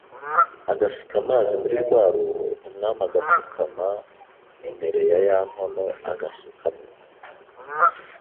agasuka amazi muri rwa ruho Umwami agapfukama Imere ya ya nkono Agasukamo